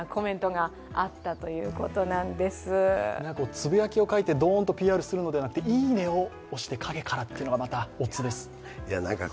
つぶやきを書いて、ドーンとＰＲするのではなくていいねを押して陰からというのが、またオツです。